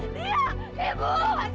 lihat ibu ibu ibu